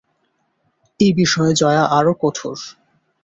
এ বিষয়ে জয়া আরও কঠোর।